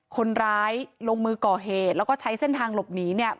คนร้ายลงมือก่อเหตุแล้วก็ใช้เส้นทางหลบหนีเนี่ย